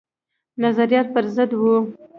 نظریات پر ضد وه.